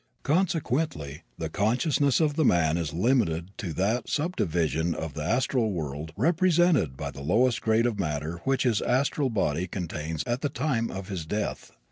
Consequently the consciousness of the man is limited to that subdivision of the astral world represented by the lowest grade of matter which his astral body contains at the time of his death.